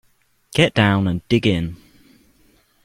Get down and dig in.